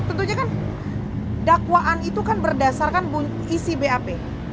tentunya kan dakwaan itu kan berdasarkan isi bap